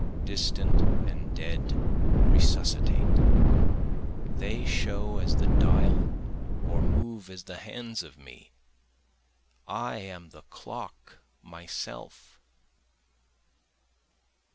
Distant and dead resuscitate, They show as the dial or move as the hands of me, I am the clock myself.